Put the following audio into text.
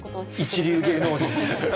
一流芸能人です。